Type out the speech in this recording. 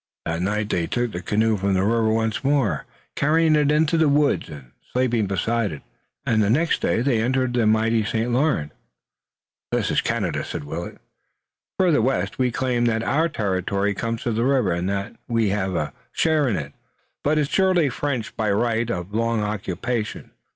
That night they took the canoe from the river once more, carrying it into the woods and sleeping beside it, and the next day they entered the mighty St. Lawrence. "This is Canada," said Willet. "Farther west we claim that our territory comes to the river and that we have a share in it. But here it's surely French by right of long occupation.